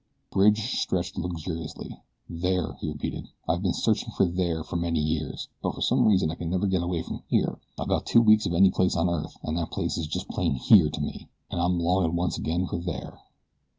Bridge stretched luxuriously. "'There,'" he repeated. "I've been searching for THERE for many years; but for some reason I can never get away from HERE. About two weeks of any place on earth and that place is just plain HERE to me, and I'm longing once again for THERE."